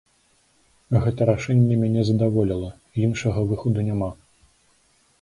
Гэта рашэнне мяне задаволіла, іншага выхаду няма.